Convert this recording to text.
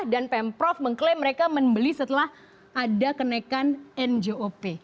pemprov mengklaim mereka membeli setelah ada kenaikan njop